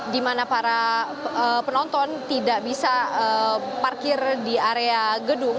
di mana para penonton tidak bisa parkir di area gedung